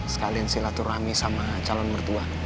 sekalian silaturahmi sama calon mertua